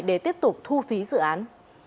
để tiếp tục thu phí dự án